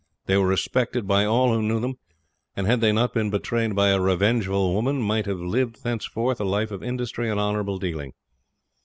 They were respected by all who knew them, and had they not been betrayed by a revengeful woman might have lived thenceforth a life of industry and honourable dealing.